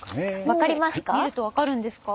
分かりますか？